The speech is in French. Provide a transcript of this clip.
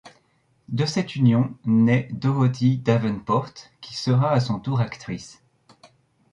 De cette union naît Dorothy Davenport qui sera à son tour actrice.